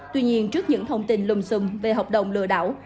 tuy nhiên trước những thông tin lùm xùng về hợp đồng lừa đảo